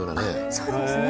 そうですね。